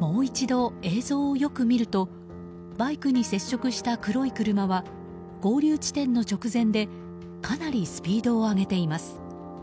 もう一度、映像をよく見るとバイクに接触した黒い車は合流地点の直前でかなりスピードを上げています。